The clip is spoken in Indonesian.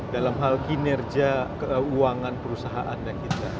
dalam hal kinerja keuangan perusahaan dan kita